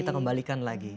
kita kembalikan lagi